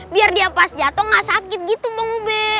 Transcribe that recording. biar dia pas jatuh gak sakit gitu bang ube